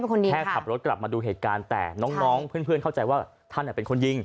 แค่ขับรถกลับมาดูเหตุการณ์แต่น้องเพื่อนเข้าใจว่าท่านเป็นคนยิง